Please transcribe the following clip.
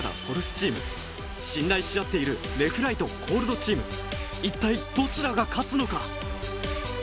ポルスチーム信頼し合っているネフライト・Ｃｏｌｄチーム一体どちらが勝つのか？